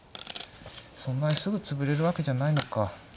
そんなにすぐ潰れるわけじゃないのか。